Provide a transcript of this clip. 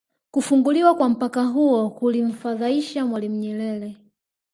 Kufunguliwa kwa mpaka huo kulimfadhaisha Mwalimu Nyerere